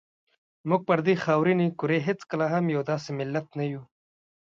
موږ پر دې خاورینې کرې هېڅکله هم یو داسې ملت نه وو.